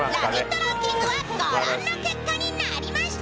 ランキングは御覧の結果になりました。